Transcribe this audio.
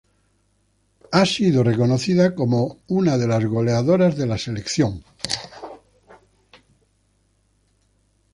Ha sido reconocida como una de las "goleadoras" de la selección.